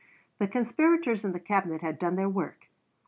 The conspirators in the Cabinet had done their work.